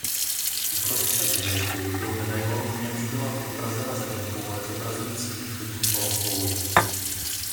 Uprostřed hvězdy byl medailon v němž byla vyobrazena zeměkoule zobrazující východní polokouli.